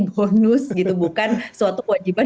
bonus gitu bukan suatu kewajiban